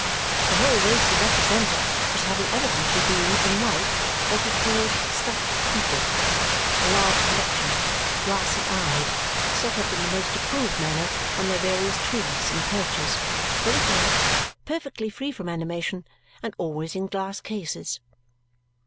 The whole race he represented as having evidently been, in life, what he called "stuffed people" a large collection, glassy eyed, set up in the most approved manner on their various twigs and perches, very correct, perfectly free from animation, and always in glass cases.